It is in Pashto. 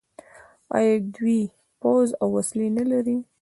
آیا دوی پوځ او وسلې نلري؟